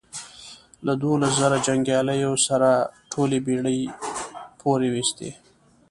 له دوولس زرو جنګیالیو سره ټولې بېړۍ پورېستې.